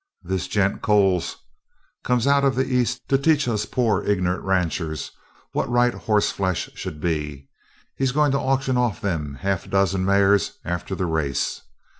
This gent Coles comes out of the East to teach us poor ignorant ranchers what right hoss flesh should be. He's going to auction off them half dozen mares after the race.